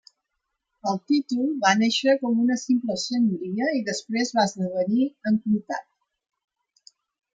El títol va néixer com una simple senyoria i després va esdevenir en comtat.